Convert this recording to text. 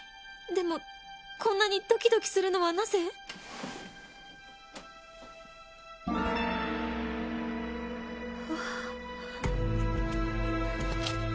でもこんなにドキドキするのはなぜ？あっ。